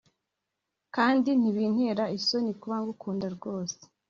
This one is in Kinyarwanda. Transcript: kandi ntibintera isoni kuba ngukunda rwose